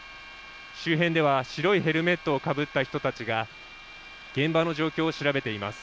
周辺では白いヘルメットをかぶった人たちが現場の状況を調べています。